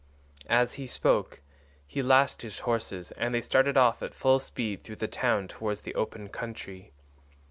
As he spoke he lashed his horses and they started off at full speed through the town towards the open country.